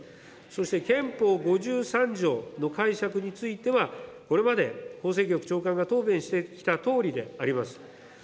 そして、憲法５３条の解釈については、これまで法制局長官が答弁してきたとおりであります。